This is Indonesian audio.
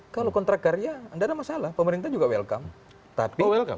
kalau kontrak karya tidak ada masalah pemerintah juga welcome